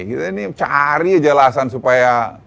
kita ini cari jelasan supaya